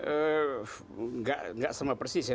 enggak sama persis ya